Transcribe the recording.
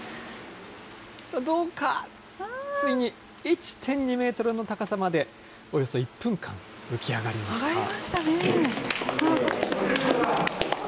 ついに、１．２メートルの高さまで、およそ１分間、浮き上がりました。